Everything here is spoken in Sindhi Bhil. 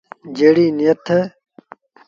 جيڙيٚ نيٿ ۔